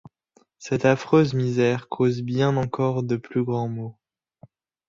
Cette afreuse misère cause bien encore de plus grands meaux.